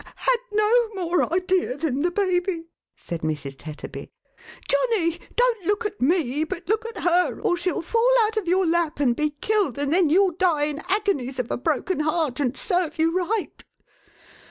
""«— Had no more idea than the baby," said Mrs. Tetterby. — "Johnny, don't look at me, but look at her, or shell fall out of your lap and be killed, and then you'll die in agonies of a broken heart, and serve you right.